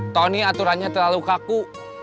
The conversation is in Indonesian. tony aturannya terlalu kaku